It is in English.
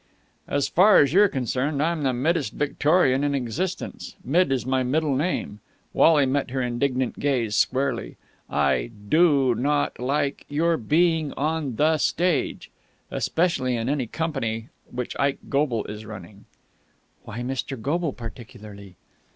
"As far as you are concerned, I'm the middest Victorian in existence. Mid is my middle name." Wally met her indignant gaze squarely. "I do not like your being on the stage! Especially in any company which Ike Goble is running." "Why Mr. Goble particularly?"